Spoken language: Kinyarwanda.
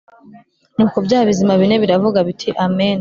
Nuko bya bizima bine biravuga biti Amen